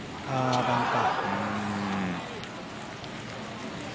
バンカー。